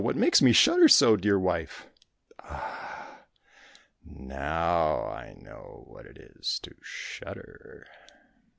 —what makes me shudder so, dear wife? Ah! now I know what it is to shudder!"